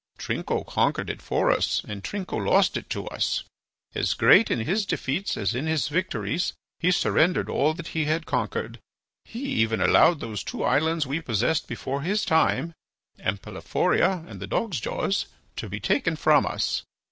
"Trinco conquered it for us, and Trinco lost it to us. As great in his defeats as in his victories he surrendered all that he had conquered. He even allowed those two islands we possessed before his time, Ampelophoria and the Dog's Jaws, to be taken from us.